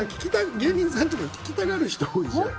芸人さんとか聞きたがる人が多いじゃん。